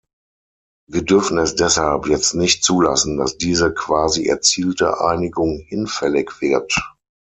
Wir dürfen es deshalb jetzt nicht zulassen, dass diese quasi erzielte Einigung hinfällig wird.